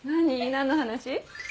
何の話？